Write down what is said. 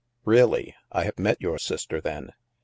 "Really? I have met your sister then."